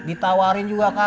ditawarin juga kan